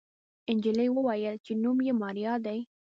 نجلۍ وويل چې نوم يې ماريا دی.